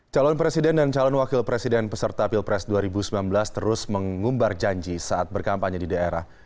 calon presiden dan calon wakil presiden peserta pilpres dua ribu sembilan belas terus mengumbar janji saat berkampanye di daerah